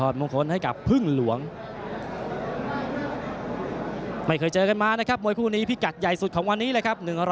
จบยกไหนต้องติดตามวิทยามา